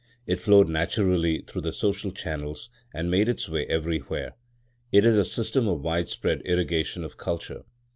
It flowed naturally through the social channels and made its way everywhere. It is a system of widespread irrigation of culture.